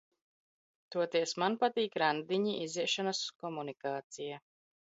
Toties man patīk randiņi, iziešanas, komunikācija.